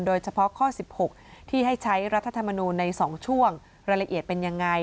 โดยเฉพาะข้อ๑๖ที่ให้ใช้รัฐธรรมนูลใน๒ช่วงรายละเอียดเป็นยังไง